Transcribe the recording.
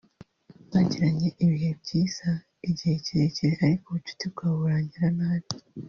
bagiranye ibihe byiza igihe kirekire ariko ubucuti bwabo burangira nabi